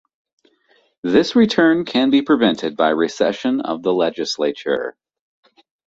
This return can be prevented by recession of the Legislature.